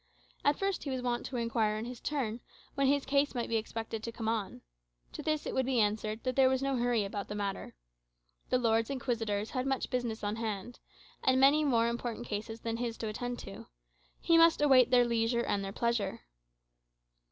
At first he was wont to inquire, in his turn, when his case might be expected to come on. To this it would be answered, that there was no hurry about the matter. The Lords Inquisitors had much business on hand, and many more important cases than his to attend to; he must await their leisure and their pleasure.